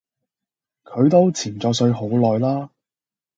佢都潛左水好耐啦